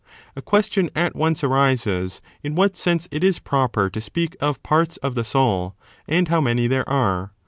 A question 2 at once arises in what sense it is proper to speak of parts Digression oorts of of the soul and how many there are.